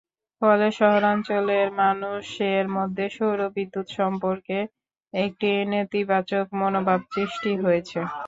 ফলে শহরাঞ্চলের মানুষের মধ্যে সৌরবিদ্যুৎ সম্পর্কে একটি নেতিবাচক মনোভাব সৃষ্টি হয়েছে।